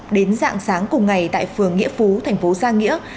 đến dạng sáng cùng ngày tại phường nghĩa phú tp giang nghĩa